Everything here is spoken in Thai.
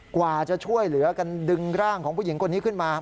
กว่าจะช่วยเหลือกันดึงร่างของผู้หญิงคนนี้ขึ้นมา